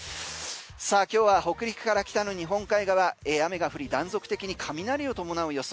今日は北陸から北の日本海側雨が降り断続的に雷を伴う予想。